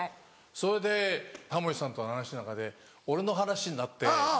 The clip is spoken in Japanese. それでタモリさんと話してる中で俺の話になって。